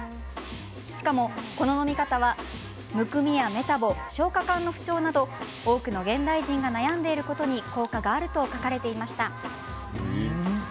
しかも、この飲み方はむくみやメタボ消化管の不調など多くの現代人が悩んでいることに効果があると書かれていました。